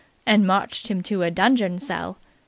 and marched him to a dungeon cell.